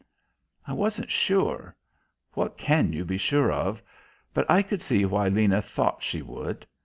I wasn't sure what can you be sure of? but I could see why Lena thought she would.